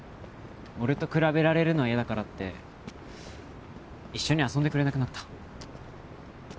俺と比べられるのは嫌だからって一緒に遊んでくれなくなった。